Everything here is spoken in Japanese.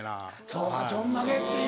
そうかちょんまげっていう。